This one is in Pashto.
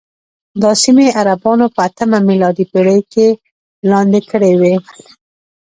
دا سیمې عربانو په اتمه میلادي پېړۍ کې لاندې کړې وې.